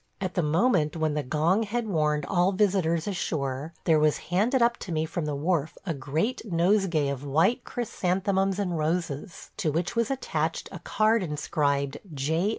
At the moment when the gong had warned all visitors ashore there was handed up to me from the wharf a great nosegay of white chrysanthemums and roses, to which was attached a card inscribed "J.